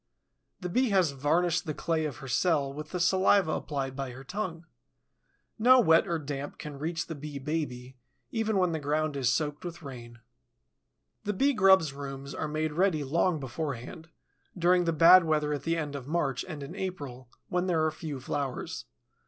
The Bee has varnished the clay of her cell with the saliva applied by her tongue. No wet or damp can reach the Bee baby, even when the ground is soaked with rain. The Bee grub's rooms are made ready long beforehand, during the bad weather at the end of March and in April, when there are few flowers.